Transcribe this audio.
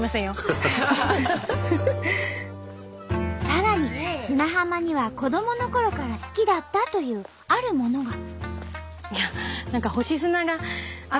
さらに砂浜には子どものころから好きだったというあるものが。